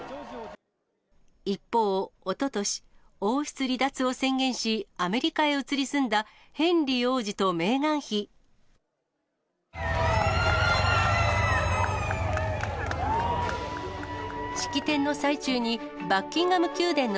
一方、おととし、王室離脱を宣言し、アメリカへ移り住んだヘンリー王子とメーガン妃。